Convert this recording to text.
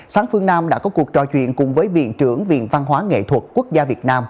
sáng phương nam đã có cuộc trò chuyện cùng với viện trưởng viện văn hóa nghệ thuật quốc gia việt nam